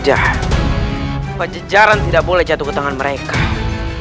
aku tidak bisa masuk selesai